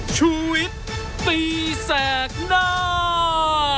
ชูเวทตีแสงหน้า